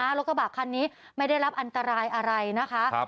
รถกระบะคันนี้ไม่ได้รับอันตรายอะไรนะคะ